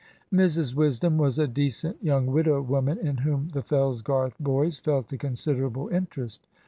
Mrs Wisdom was a decent young widow woman in whom the Fellsgarth boys felt a considerable interest.